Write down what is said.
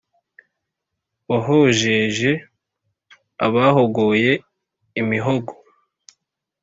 Wahojeje abahogoye imihogo